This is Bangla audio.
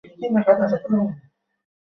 তুমি এটাকে কিস করা বলতেছ?